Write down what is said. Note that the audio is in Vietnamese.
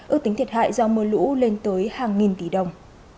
ước tính thiệt hại do mưa lũ lên tới hàng nghìn tỷ đồng